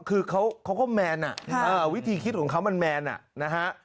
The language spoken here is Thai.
คือเขาก็แมนวิธีคิดของเขามันแมนนะฮะ